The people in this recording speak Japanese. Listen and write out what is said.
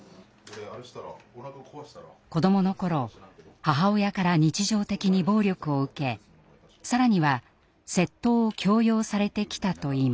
子どもの頃母親から日常的に暴力を受け更には窃盗を強要されてきたといいます。